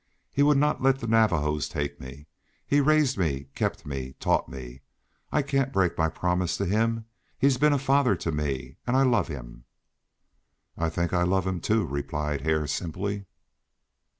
He would not let the Navajos take me; he raised me, kept me, taught me. I can't break my promise to him. He's been a father to me, and I love him." "I think I love him, too," replied Hare, simply.